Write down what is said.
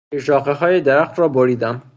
زیر شاخههای درخت را بریدم.